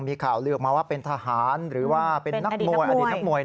มีข่าวลือออกมาว่าเป็นทหารหรือว่าเป็นนักมวยอดีตนักมวย